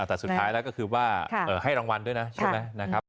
แต่สุดท้ายแล้วก็คือว่าให้รางวัลด้วยนะใช่ไหมนะครับ